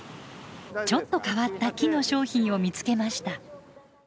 ちょっと変わった木の商品を見つけました。